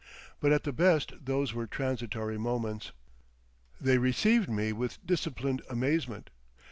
But at the best those were transitory moments. They received me with disciplined amazement.